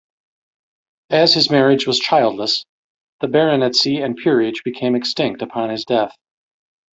As his marriage was childless, the baronetcy and peerage became extinct upon his death.